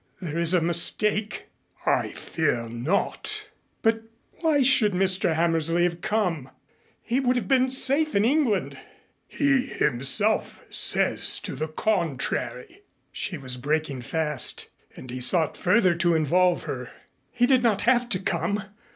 "There is a mistake " "I fear not." "But why should Mr. Hammersley have come? He would have been safe in England " "He himself says to the contrary " She was breaking fast and he sought further to involve her. "He did not have to come.